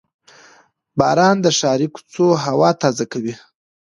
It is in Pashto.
• باران د ښاري کوڅو هوا تازه کوي.